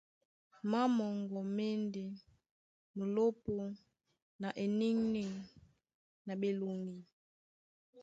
Má moŋgo má e ndé/ Mulópō na eniŋniŋ na ɓeloŋgi.